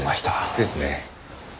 ですね。